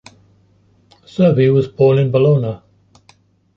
Cervi was born in Bologna.